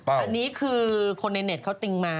อันนี้คือคนในเน็ตเขาติ้งมา